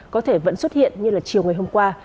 có thể vẫn xuất hiện như là chiều ngày hôm qua